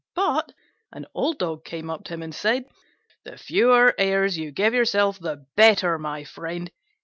But an old dog came up to him and said, "The fewer airs you give yourself the better, my friend.